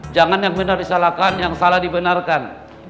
jangan yang benar disalahkan yang salah dibenarkan